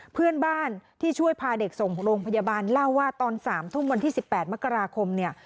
เพื่อนบ้านที่ช่วยพาเด็กส่งโรงพยาบาลเล่าว่าตอน๓ทุ่มวันที่๑๘มกราคมเนี่ย